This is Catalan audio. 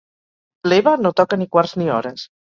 L'Eva no toca ni quarts ni hores.